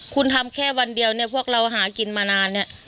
คุณทำแค่วันเดียวเนี่ยพวกเราหากินมานานเนี่ย